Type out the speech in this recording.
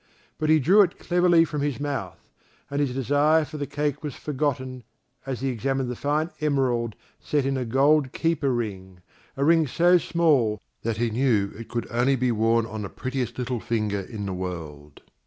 But he drew it cleverly from his mouth, and his desire for the cake was forgotten as he examined the fine emerald set in a gold keeper ring, a ring so small that he knew it could only be worn on the prettiest little finger in the world.